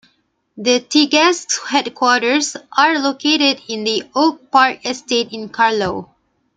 The Teagasc headquarters are located in the Oak Park Estate in Carlow.